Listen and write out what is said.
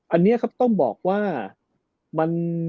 อันนี้ครับต้องบอกว่ามัน